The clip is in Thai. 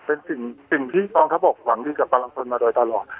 เป็นสิ่งที่กองทัพบกหวังดีกับกำลังพลมาโดยตลอด